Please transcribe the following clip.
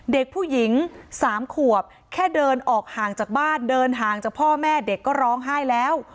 เด็กผู้หญิง๓ขวบแค่เดินออกห่างจากบ้านเดินห่างจากพ่อแม่เด็กก็ร้องไห้แล้ว